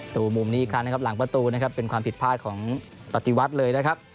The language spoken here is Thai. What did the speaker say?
ดูมุมนี้อีกครั้งนะครับหลังประตูนะครับเป็นความผิดพลาดของปฏิวัติเลยนะครับ